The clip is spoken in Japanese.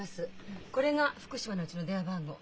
これが福島のうちの電話番号。